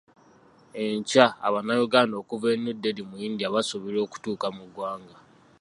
Enkya Abannayuganda okuva e New Dehli mu India basuubirwa okuttuka mu ggwanga.